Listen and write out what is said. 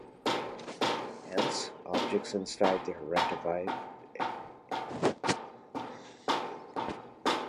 Hence, objects inside the event horizon-including the singularity itself-cannot be directly observed.